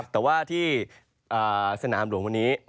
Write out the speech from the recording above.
แต่ว่าที่สนามหลวงวันนี้